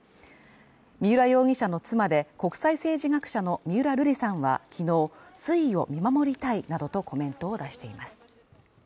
三浦容疑者の妻で国際政治学者の三浦瑠麗さんは、昨日、推移を見守りたいなどとコメントを出しています。